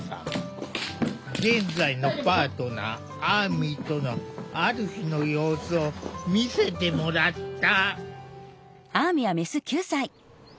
現在のパートナーアーミとのある日の様子を見せてもらった。